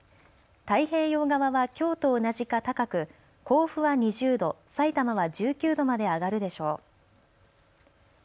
太平洋側はきょうと同じか高く甲府は２０度、さいたまは１９度まで上がるでしょう。